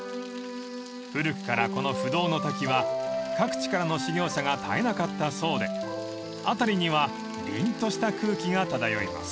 ［古くからこの不動の瀧は各地からの修行者が絶えなかったそうで辺りにはりんとした空気が漂います］